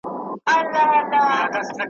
چي له خلوته مو د شیخ سیوری شړلی نه دی `